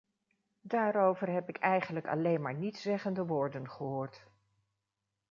Daarover heb ik eigenlijk alleen maar nietszeggende woorden gehoord.